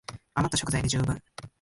あまった食材で充分